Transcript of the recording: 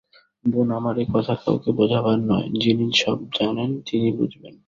বোন, আমার এ কথা কাউকে বোঝাবার নয়– যিনি সব জানেন তিনিই বুঝবেন।